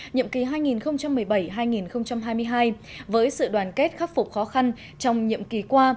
nhiệm kỳ hai nghìn một mươi bảy hai nghìn hai mươi hai với sự đoàn kết khắc phục khó khăn trong nhiệm kỳ qua